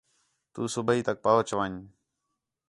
تُو صُبیح تک پُہچ ون٘ڄ